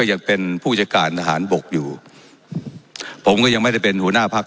ยังเป็นผู้จัดการทหารบกอยู่ผมก็ยังไม่ได้เป็นหัวหน้าพัก